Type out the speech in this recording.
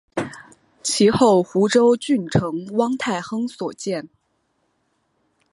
其后湖州郡丞汪泰亨所建。